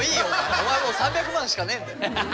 お前もう３００万しかねえんだよ。